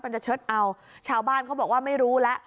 มันจะเชิดเอาชาวบ้านเขาบอกว่าไม่รู้แล้ว